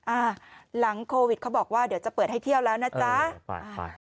อ่าหลังโควิดเขาบอกว่าเดี๋ยวจะเปิดให้เที่ยวแล้วนะจ๊ะไปไป